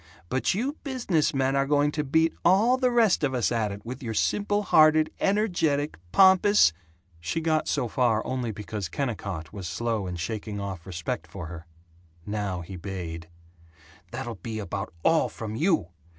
But you business men are going to beat all the rest of us at it, with your simple hearted, energetic, pompous " She got so far only because Kennicott was slow in shaking off respect for her. Now he bayed: "That'll be about all from you!